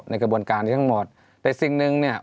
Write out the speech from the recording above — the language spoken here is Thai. กระบวนการนี้ทั้งหมดแต่สิ่งหนึ่งเนี่ย